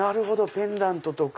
ペンダントとか。